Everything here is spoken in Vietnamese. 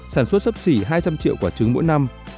sản xuất sấp xỉ hai trăm linh triệu quả trứng mỗi năm